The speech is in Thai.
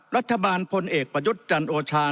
รัฐบาลพลเอกประยุทธ์จันทร์โอชา